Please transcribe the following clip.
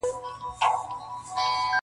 کرۍ ورځ دلته آسونه ځغلېدله -